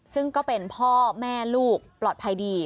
ซึ่งก็เป็นพ่อแม่ลูกปลอดภัยดี